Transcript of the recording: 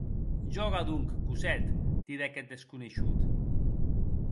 Jòga, donc, Cosette, didec eth desconeishut.